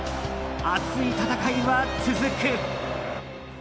熱い戦いは続く。